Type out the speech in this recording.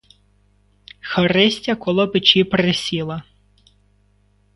Христя коло печі присіла.